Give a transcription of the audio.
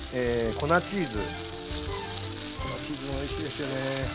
粉チーズもおいしいですよね。